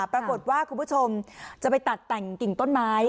ปรากฏว่าคุณผู้ชมจะไปตัดแต่งกิ่งต้นไม้